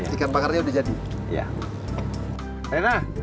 ikan bakarnya udah jadi